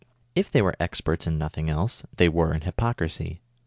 If they were experts in nothii>g else, they were m hypocrisy.